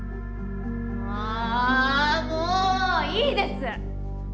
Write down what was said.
あもういいです！